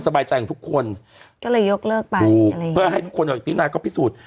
สบายใจทุกคนก็เลยยกเลิกไปเพื่อให้ทุกคนทีน้ายก็พิสูจน์